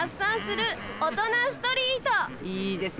いいですね